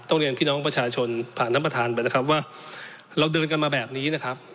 เรียนพี่น้องประชาชนผ่านท่านประธานไปนะครับว่าเราเดินกันมาแบบนี้นะครับ